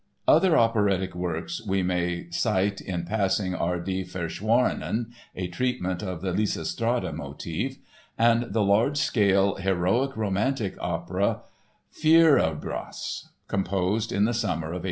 Other operatic works we may cite in passing are Die Verschworenen, a treatment of the "Lysistrata" motive; and the large scale "heroic romantic" opera, Fierrabras, composed in the summer of 1823.